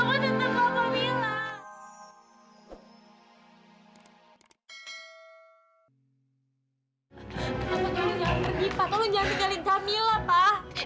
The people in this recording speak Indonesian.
kamu jangan tinggalin tamil lah pak